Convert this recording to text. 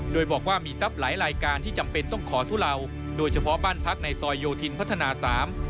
โดยบอกว่ามีทรัพย์หลายรายการที่จำเป็นต้องขอทุเลาโดยเฉพาะบ้านพักในซอยโยธินพัฒนาสาม